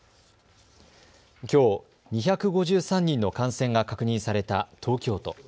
きょう、２５３人の感染が確認された東京都。